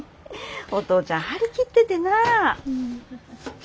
お父ちゃん張り切っててな。